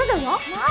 まあ！